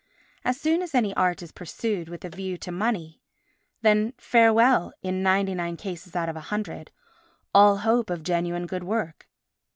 As soon as any art is pursued with a view to money, then farewell, in ninety nine cases out of a hundred, all hope of genuine good work.